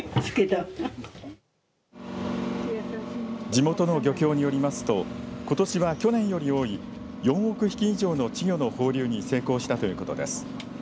地元の漁協によりますとことしは去年より多い４億匹以上の稚魚の放流に成功したということです。